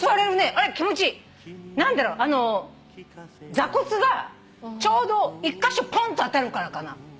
座骨がちょうど１カ所ポンッと当たるからかな。